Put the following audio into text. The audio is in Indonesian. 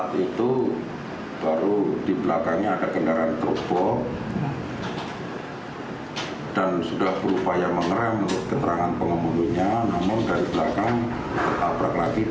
sehingga terdorong ke depan mengenai kendaraan setroler